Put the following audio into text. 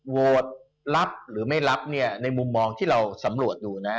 โหวตรับหรือไม่รับเนี่ยในมุมมองที่เราสำรวจดูนะ